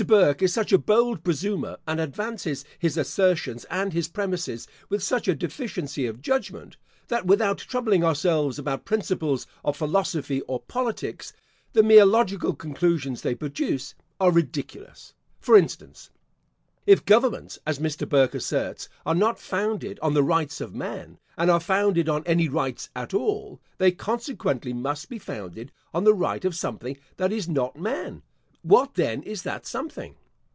Burke is such a bold presumer, and advances his assertions and his premises with such a deficiency of judgment, that, without troubling ourselves about principles of philosophy or politics, the mere logical conclusions they produce, are ridiculous. For instance, If governments, as Mr. Burke asserts, are not founded on the Rights of Man, and are founded on any rights at all, they consequently must be founded on the right of something that is not man. What then is that something?